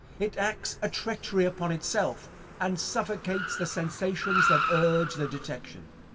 It acts a treachery upon itself, and suffocates the sensations that urge the detection.